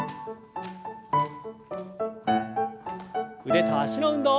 腕と脚の運動。